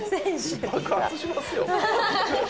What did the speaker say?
爆発しますよ。